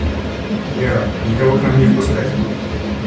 Вера, никого к нам не впускать!